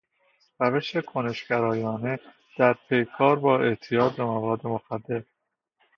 روش کنشگرایانه در پیکار با اعتیاد به مواد مخدر